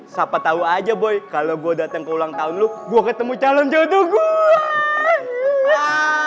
siapa tau aja boy kalo gue dateng ke ulang tahun lo gue ketemu calon jodoh gue